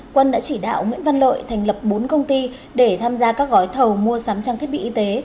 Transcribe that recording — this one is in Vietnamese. quân đã chỉ đạo nguyễn văn lợi thành lập bốn công ty để tham gia các gói thầu mua sắm trang thiết bị y tế